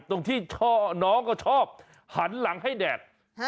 ตรงที่น้องก็ชอบหันหลังให้แดด